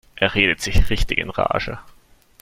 Er redet sich richtig in Rage.